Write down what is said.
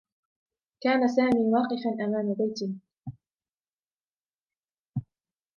كان سامي واقفا أمام بيته.